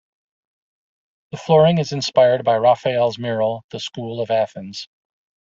The flooring is inspired by Raphael's mural, "The School of Athens".